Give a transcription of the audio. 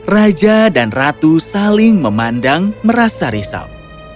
raja dan ratu saling memandang merasa risau